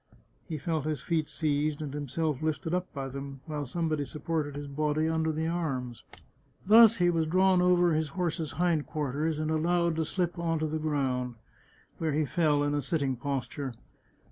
He felt his feet seized and himself lifted up by them, while somebody sup ported his body under the arms. Thus he was drawn over his horse's hind quarters, and allowed to slip on to the 49 The Chartreuse of Parma ground, where he fell in a sitting posture.